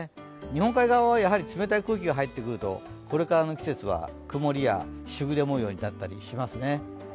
日本海側は、やはり冷たい空気が入ってくると、これかの季節は曇りや時雨もようになったりしますね。